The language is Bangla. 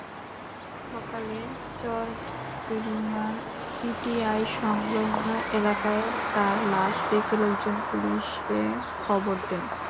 গতকাল সকালে চরমুগরিয়ার পিটিআইসংলগ্ন এলাকায় তাঁর লাশ দেখে লোকজন পুলিশে খবর দেন।